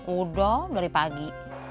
oda dari pagi